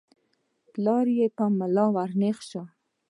پلار يې په ملا نېغ شو.